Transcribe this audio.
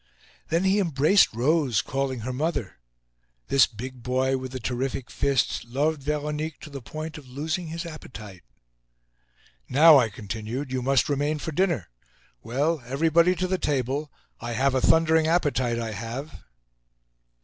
Then he embraced Rose, calling her mother. This big boy with the terrific fists loved Veronique to the point of losing his appetite. "Now," I continued, "you must remain for dinner. Well, everybody to the table. I have a thundering appetite, I have."